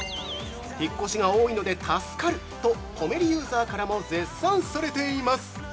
引っ越しが多いので助かるとコメリユーザーからも絶賛されています！